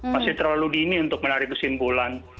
masih terlalu dini untuk menarik kesimpulan